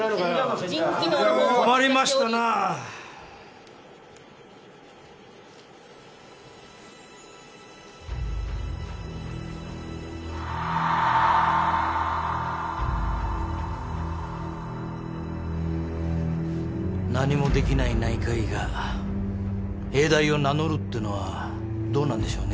・困りましたなあ何もできない内科医が永大を名乗るってのはどうなんでしょうね